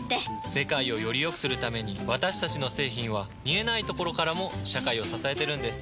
世界をよりよくするために私たちの製品は見えないところからも社会を支えてるんです。